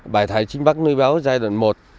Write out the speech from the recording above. bãi thải trinh bắc nui béo giai đoạn một